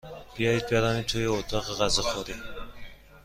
بیایید برویم توی اتاق غذاخوری.